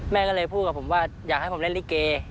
แม่ก็เลยพูดกับผมว่าอยากให้ผมเล่นลิเก